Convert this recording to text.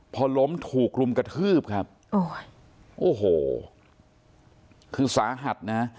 พอล้มถูกรุมกระทืบครับโอ้ยโอ้โหคือสาหัสนะ